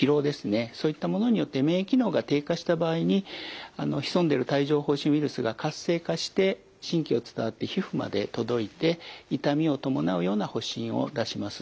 そういったものによって免疫機能が低下した場合に潜んでいる帯状ほう疹ウイルスが活性化して神経を伝わって皮膚まで届いて痛みを伴うような発疹を出します。